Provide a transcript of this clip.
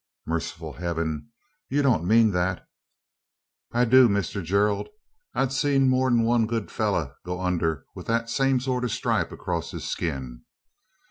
"Merciful Heaven! you don't mean that?" "I do, Mister Gerald. I've seed more 'an one good fellur go under wi' that same sort o' a stripe acrost his skin.